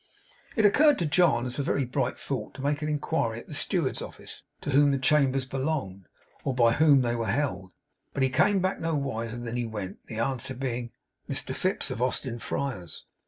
It occurred to John as a very bright thought to make inquiry at the steward's office, to whom the chambers belonged, or by whom they were held; but he came back no wiser than he went, the answer being, 'Mr Fips, of Austin Friars.